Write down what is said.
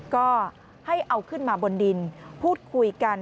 ก็ให้เอาขึ้นมาบนดินพูดคุยกัน